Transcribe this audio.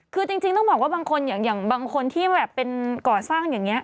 คือจริงต้องบอกว่าบางคนอย่างบางคนที่แบบเป็นก่อสร้างอย่างนี้